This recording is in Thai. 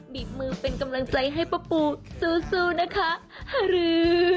บีบมือเป็นกำลังใจให้ป้าปูสู้นะคะหารือ